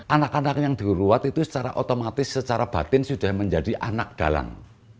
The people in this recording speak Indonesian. anak anak yang diruat itu secara otomatis secara batin sudah menjadi anak dalang